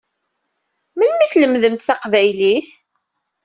Memli i tlemdemt taqbaylit?